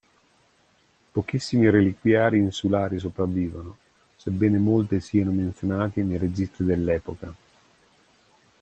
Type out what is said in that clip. Pochissimi reliquiari insulari sopravvivono, sebbene molti siano menzionati nei registri dell'epoca.